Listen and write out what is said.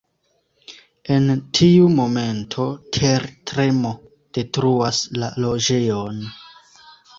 En tiu momento, tertremo detruas la loĝejon.